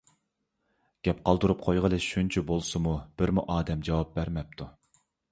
گەپ قالدۇرۇپ قويغىلى شۇنچە بولسىمۇ بىرمۇ ئادەم جاۋاب بەرمەپتۇ.